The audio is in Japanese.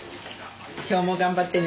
今日も頑張ってね。